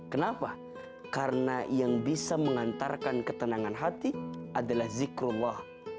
kenapa karena yang bisa mengantarkan ketenangan hati adalah zikrullah